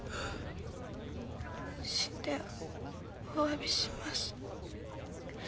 死んでおわびします